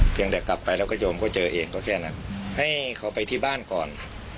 เพียงแต่กลับไปแล้วก็โยมก็เจอเองก็แค่นั้นให้เขาไปที่บ้านก่อน